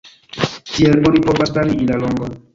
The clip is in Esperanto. Tiel oni povas varii la longon.